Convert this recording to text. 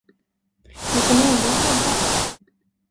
Ni kommer ändå att jobba.